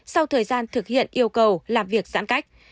sau thời gian thực hiện yêu cầu làm việc giãn cách